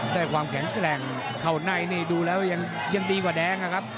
ได้ความแข็งแกร่งเข้าในนี่ดูแล้วยังดีกว่าแดงนะครับ